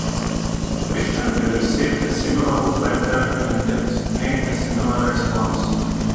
Richard had received a similar letter and had made a similar response.